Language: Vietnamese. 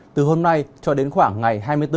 từ hôm nay cho đến khoảng ngày hai mươi bốn